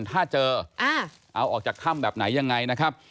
ถ้าเจอเอาออกจากถ้ำแบบไหนอย่างไร